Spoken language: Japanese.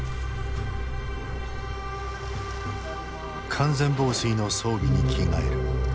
完全防水の装備に着替える。